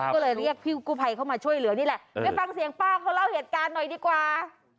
ก็เลยเรียกพี่กู้ภัยเข้ามาช่วยเหลือนี่แหละไปฟังเสียงป้าเขาเล่าเหตุการณ์หน่อยดีกว่า